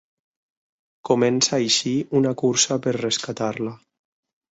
Comença així una cursa per rescatar-la.